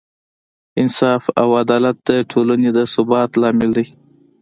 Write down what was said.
انصاف او عدالت د ټولنې د ثبات لامل دی.